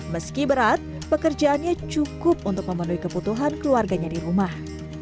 meski berat pekerjaannya cukup untuk memenuhi kebutuhan keluarganya di rumah